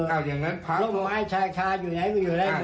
ลูกหมายชายชายอยู่ไหนก็อยู่ไหนโน้น